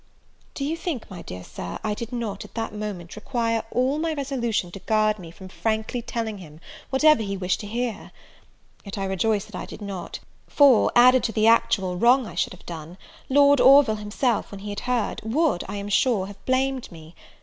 Do you think, my dear sir, I did not, at that moment, require all my resolution to guard me from frankly telling him whatever he wished to hear? yet I rejoice that I did not; for, added to the actual wrong I should have done, Lord Orville himself, when he had heard, would, I am sure, have blamed me.